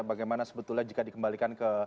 bagaimana sebetulnya jika dikembalikan ke